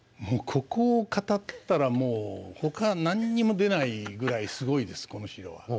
もうここを語ったらもう他何も出ないぐらいすごいですこの城は。